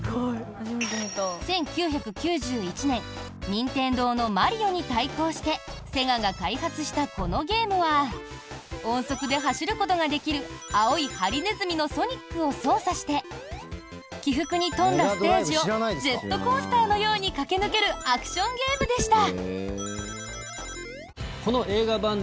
任天堂の「マリオ」に対抗してセガが開発したこのゲームは音速で走ることができる青いハリネズミのソニックを操作して起伏に富んだステージをジェットコースターのように駆け抜けるアクションゲームでした。